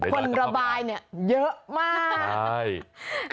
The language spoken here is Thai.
คนระบายเนี่ยเยอะมากใช่